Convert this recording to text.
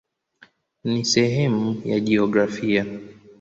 Ni sehemu ya jiografia.